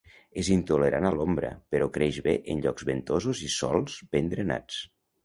És intolerant a l'ombra però creix bé en llocs ventosos i sòls ben drenats.